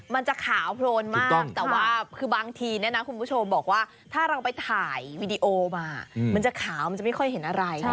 มันจะขาวโพลนมากแต่ว่าคือบางทีเนี่ยนะคุณผู้ชมบอกว่าถ้าเราไปถ่ายวีดีโอมามันจะขาวมันจะไม่ค่อยเห็นอะไร